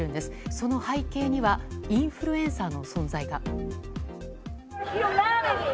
その背景にはインフルエンサーの存在が。